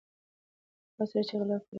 هغه سړی چې غلا کوي، په ټولنه کې شرمېږي.